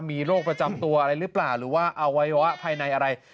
มีโรคประจำตัวอะไรหรือเปล่าหรือว่าอวัยวะภายในอะไร